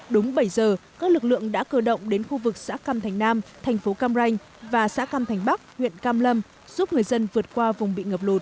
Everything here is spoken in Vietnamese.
đúng bảy giờ các lực lượng đã cơ động đến khu vực xã cam thành nam thành phố cam ranh và xã cam thành bắc huyện cam lâm giúp người dân vượt qua vùng bị ngập lụt